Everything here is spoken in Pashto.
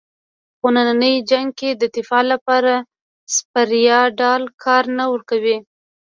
خو نننی جنګ کې د دفاع لپاره سپر یا ډال کار نه ورکوي.